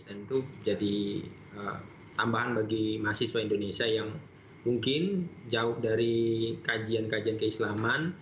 dan itu jadi tambahan bagi mahasiswa indonesia yang mungkin jauh dari kajian kajian keislaman